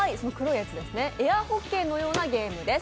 エアホッケーのようなゲームです。